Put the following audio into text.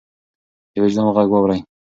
د وجدان غږ واورئ.